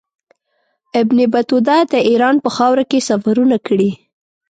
ابن بطوطه د ایران په خاوره کې سفرونه کړي.